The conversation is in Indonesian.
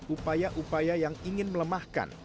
upaya upaya yang ingin melemahkan